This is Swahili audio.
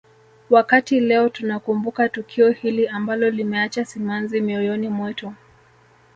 Wakati leo tunakumbuka tukio hili ambalo limeacha simanzi mioyoni mwetu